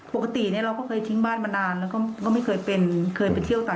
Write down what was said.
ปกติเราก็เคยทิ้งบ้านมานาน